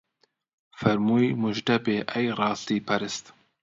فەرمووی موژدەبێ ئەی ڕاستی پەرست